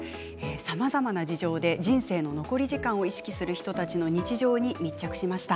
さまざまな事情で人生の残り時間を意識する人たちの日常に密着しました。